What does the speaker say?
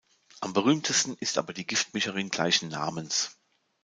Am berühmtesten ist aber die Giftmischerin gleichen Namens.